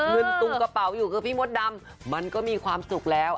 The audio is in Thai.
ตุงกระเป๋าอยู่คือพี่มดดำมันก็มีความสุขแล้ว